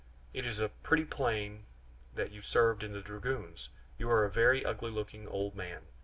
It is pretty plain that you served in the dragoons; you are a very ugly looking old man.